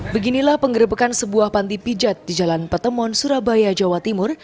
beginilah penggerbekan sebuah panti pijat di jalan petemon surabaya jawa timur